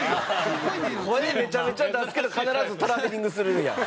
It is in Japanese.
声めちゃめちゃ出すけど必ずトラベリングするんや。